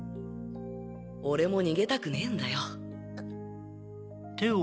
俺も逃げたくねえんだよ。